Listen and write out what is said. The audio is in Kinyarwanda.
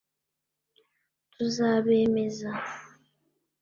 tuzabemeza